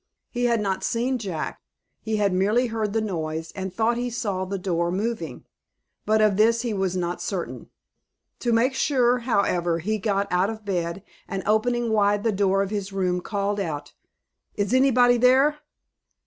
He had not seen Jack. He had merely heard the noise, and thought he saw the door moving. But of this he was not certain. To make sure, however, he got out of bed, and opening wide the door of his room, called out, "Is anybody there?"